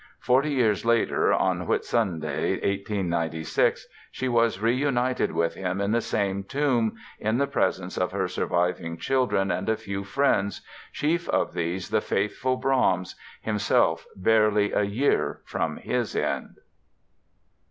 Forty years later, on Whit Sunday, 1896, she was reunited with him in the same tomb, in the presence of her surviving children and a few friends, chief of these the faithful Brahms, himself barely a year from his end.